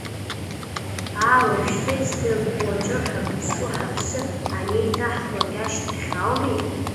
Аа, уажәшьҭа издырт, уаҵәы ҳәа бызҿу ҳаԥсы анеиҭаҳклак ашьҭахь ауми?